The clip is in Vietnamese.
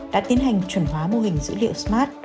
đã tiến hành chuẩn hóa mô hình dữ liệu smart